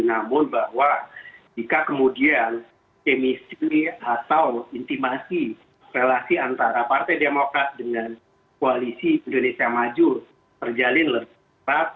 namun bahwa jika kemudian emisi atau intimasi relasi antara partai demokrat dengan koalisi indonesia maju terjalin lebih cepat